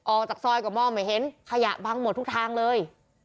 ออกจากซอยก็มองไม่เห็นขยะบังหมดทุกทางเลย